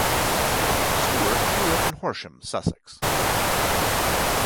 Stewart grew up in Horsham, Sussex.